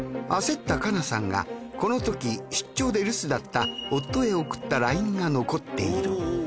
焦ったカナさんがこのとき出張で留守だった夫へ送ったＬＩＮＥが残っている。